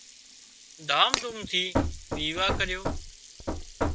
ڌام ڌُوم ٿِي ويواه ڪريو